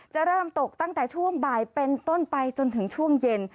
จะเริ่มตกตั้งแต่ช่วงบ่ายเป็นต้นไปจนถึงช่วงเย็น